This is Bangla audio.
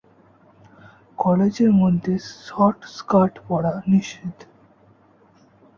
কলেজের মধ্যে শর্ট স্কার্ট পরা নিষেধ।